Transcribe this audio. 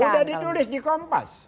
sudah ditulis di kompas